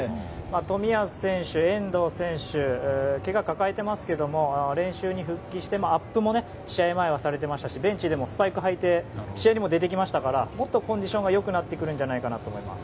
冨安選手、遠藤選手はけがを抱えていますが練習に復帰してアップも試合前はされていましたしベンチでもスパイクを履いて試合にも出てきましたからもっとコンディションが良くなってくるんじゃないかと思います。